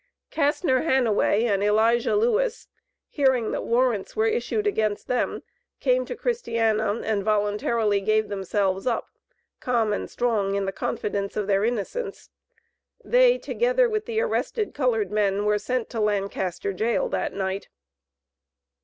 CAstner Hanaway and Elijah Lewis, hearing that warrants were issued against them, came to Christiana, and voluntarily gave themselves up, calm and strong in the confidence of their innocence. They, together with the arrested colored men, were sent to Lancaster jail that night.